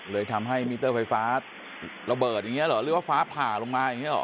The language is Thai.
ทำให้มิเตอร์ไฟฟ้าระเบิดอย่างนี้เหรอหรือว่าฟ้าผ่าลงมาอย่างนี้หรอ